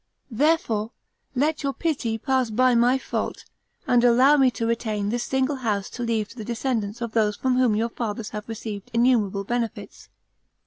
Therefore, let your pity pass by my fault, and allow me to retain this single house to leave to the descendants of those from whom your fathers have received innumerable benefits."